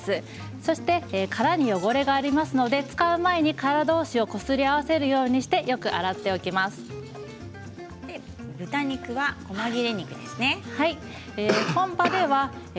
そして殻に汚れがありますので使う前に殻をこすり合わせるようにして豚肉のこま切れ肉ですね。